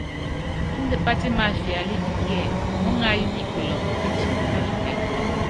Índɛ pátimáfiálítɛ kíɛ, muúŋayɔ́ nyi kulɔpɔ kati kukálitɛ.